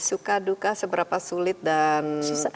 suka duka seberapa sulit dan